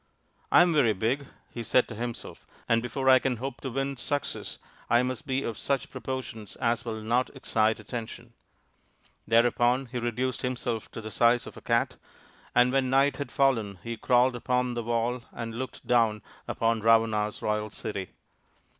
" I am very big/' he said to himself, " and before I can hope to win success I must be of such proportions as will not excite attention." Thereupon he reduced himself to the size of a cat, and when night had fallen he crawled upon the wall and looked down upon Ravana's royal city.